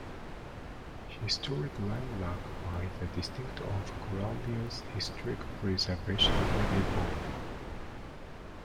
Historic Landmark by the District of Columbia's Historic Preservation Review Board.